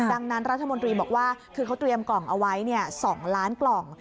ดังนั้นรัฐมนตรีบอกว่าคือเขาเตรียมกล่องเอาไว้๒ล้านกล่อง